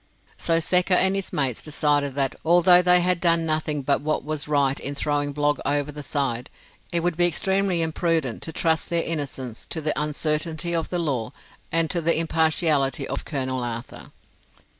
So Secker and his mates decided that, although they had done nothing but what was right in throwing Blogg over the side, it would be extremely imprudent to trust their innocence to the uncertainty of the law and to the impartiality of Colonel Arthur.